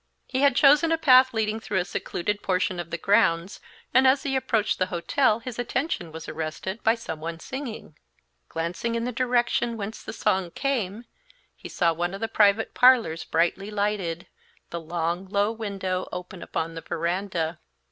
He had chosen a path leading through a secluded portion of the grounds, and as he approached the hotel his attention was arrested by some one singing. Glancing in the direction whence the song came, he saw one of the private parlors brightly lighted, the long, low window open upon the veranda.